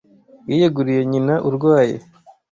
Yiyeguriye nyina urwaye.